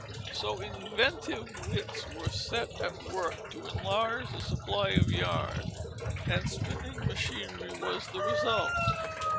So inventive wits were set at work to enlarge the supply of yarn, and spinning machinery was the result.